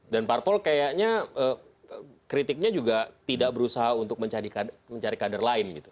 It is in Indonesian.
parpol kayaknya kritiknya juga tidak berusaha untuk mencari kader lain gitu